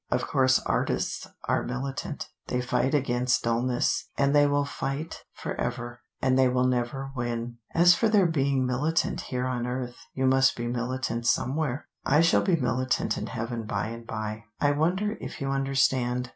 Of course artists are militant; they fight against dullness, and they will fight forever, and they will never win. As for their being militant here on earth, you must be militant somewhere. I shall be militant in heaven by and by. I wonder if you understand.